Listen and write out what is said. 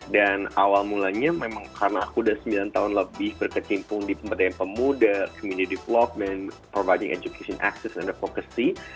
dan awal mulanya memang karena aku udah sembilan tahun lebih berkecimpung di pemberdayaan pemuda community vlog dan providing education access and advocacy